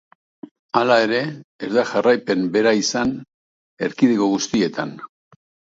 Hala ere, ez da jarraipen bera izan erkidego guztietan.